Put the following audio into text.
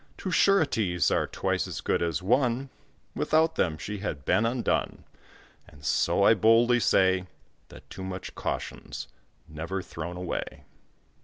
Two sureties are twice as good as one, Without them she had been undone. And so I boldly say, That too much caution's never thrown away.